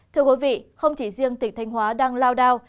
thưa quý vị không chỉ riêng tỉnh thanh hóa đang lao đao